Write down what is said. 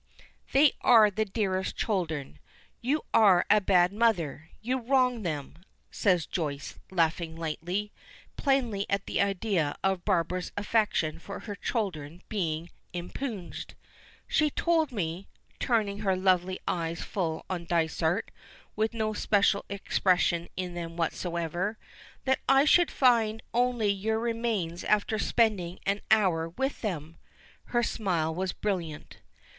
"They are the dearest children. You are a bad mother; you wrong them," says Joyce, laughing lightly, plainly at the idea of Barbara's affection for her children being impugned. "She told me," turning her lovely eyes full on Dysart, with no special expression in them whatever, "that I should find only your remains after spending an hour with them." Her smile was brilliant.